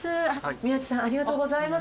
宮地さんありがとうございます。